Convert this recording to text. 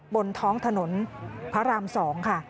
บนท้องถนนพระราม๒ค่ะ